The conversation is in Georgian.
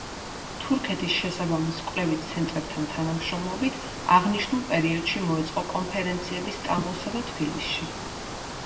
თურქეთის შესაბამის კვლევით ცენტრებთან თანამშრომლობით, აღნიშნულ პერიოდში მოეწყო კონფერენციები სტამბოლსა და თბილისში.